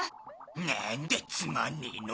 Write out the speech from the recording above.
なんだつまんねえの。